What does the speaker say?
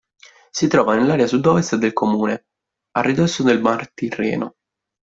Si trova nell'area sud-ovest del comune, a ridosso del mar Tirreno.